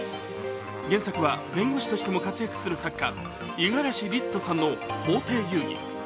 原作は弁護士としても活躍する作家、五十嵐律人さんの「法廷遊戯」。